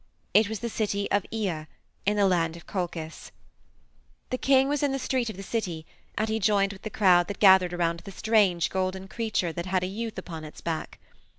It was the city of Aea, in the land of Colchis. "The king was in the street of the city, and he joined with the crowd that gathered around the strange golden creature that had a youth upon its back.